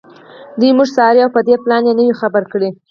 دوی موږ څاري او په دې پلان یې نه یو خبر کړي